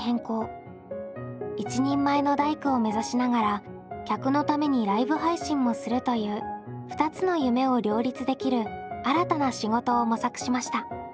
一人前の大工を目指しながら客のためにライブ配信もするという２つの夢を両立できる新たな仕事を模索しました。